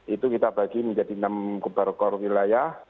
itu kita bagi menjadi enam kubar kur wilayah